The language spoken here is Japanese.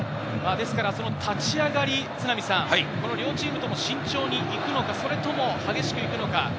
ですから立ち上がり、両チームとも慎重に行くのか、それとも激しく行くのか。